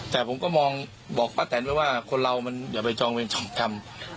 แต่ผมก็บอกป้าแต่งว่าคนเราหยัดไปจองเวลาสองกรรม